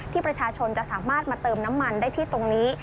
ประชาชนจะสามารถมาเติมน้ำมันได้ที่ตรงนี้